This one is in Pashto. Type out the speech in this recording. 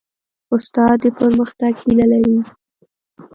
استاد د پرمختګ هیله لري.